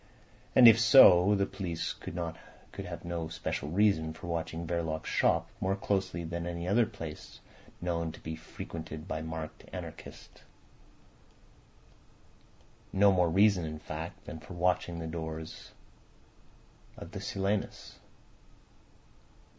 And if so, the police could have no special reason for watching Verloc's shop more closely than any other place known to be frequented by marked anarchists—no more reason, in fact, than for watching the doors of the Silenus.